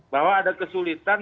bahwa ada kesulitan